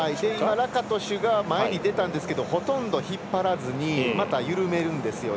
ラカトシュが前に出たんですけどほとんど引っ張らずにまた緩めるんですよね。